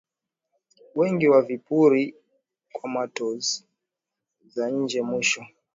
wengi wa vipuri kwa motors za nje mwisho